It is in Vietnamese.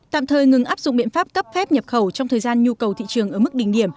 tạm thời ngừng áp dụng biện pháp cấp phép nhập khẩu trong thời gian nhu cầu thị trường ở mức đỉnh điểm